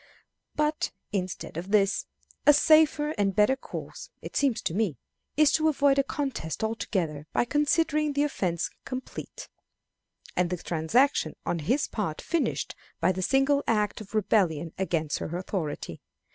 But instead of this, a safer and a better course, it seems to me, is to avoid a contest altogether by considering the offense complete, and the transaction on his part finished by the single act of rebellion against her authority.